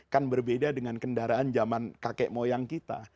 kan berbeda dengan kendaraan zaman kakek moyang kita